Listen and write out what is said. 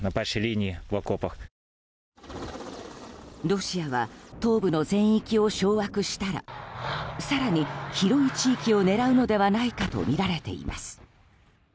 ロシアは東部の全域を掌握したら更に広い地域を狙うのではないかとみられています。